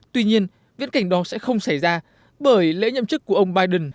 tuy nhiên viễn cảnh đó sẽ không xảy ra bởi lễ nhậm chức của ông biden